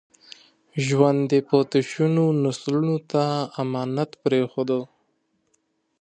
ژوند یې پاتې شونو نسلونو ته امانت پرېښود.